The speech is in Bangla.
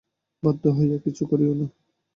বাধ্য হইয়া কিছু করিও না।